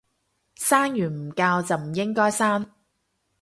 生完唔教就唔應該生